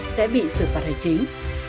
sẽ bị xử phạt hành chính